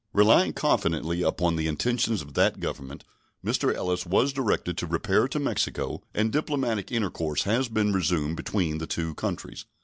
Relying confidently upon the intentions of that Government, Mr. Ellis was directed to repair to Mexico, and diplomatic intercourse has been resumed between the two countries.